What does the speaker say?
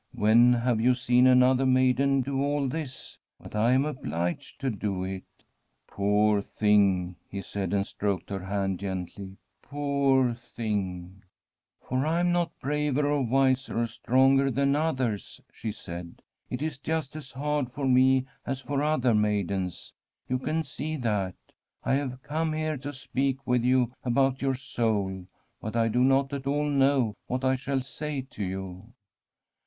When have you seen another maiden do all this ? But I am obliged to do it.' ' Poor thing I ' he said, and stroked her hand gently —' poor thing !'' For I am not braver, or wiser, or stronger than others,' she said. ' It is just as hard for me as for other maidens. You can see that. I have come here to speak with you about your soul, but I do not at all know what I shall say to you.'